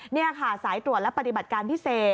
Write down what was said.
นี่ค่ะสายตรวจและปฏิบัติการพิเศษ